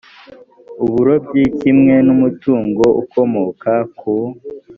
uburobyi kimwe n umutungo ukomoka ku